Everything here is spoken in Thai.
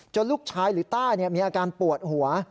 ลูกชายหรือต้ามีอาการปวดหัว